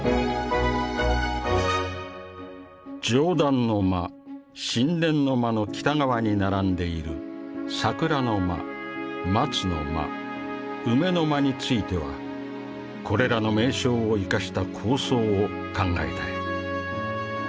「上段の間宸殿の間の北側に並んでいる桜の間松の間梅の間についてはこれらの名称を生かした構想を考えたい」。